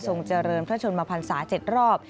ทรงเจริญพระชนมาพันธ์ศาสตร์๗รอบ